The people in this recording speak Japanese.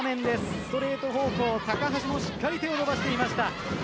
ストレート方向に高橋もしっかり手を伸ばしていました。